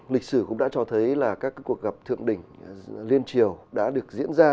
lịch sử cũng đã cho thấy là các cuộc gặp thượng đỉnh liên triều đã được diễn ra